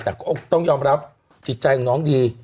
แต่ก็ต้องยอมรับจิตใจของน้องดี